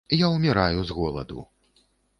Я ўміраю з голаду.